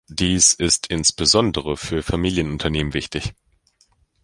Dies ist insbesondere für Familienunternehmen wichtig.